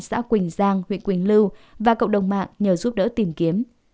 xã quỳnh giang huyện quỳnh lưu và cộng đồng mạng nhờ giúp đỡ tìm kiếm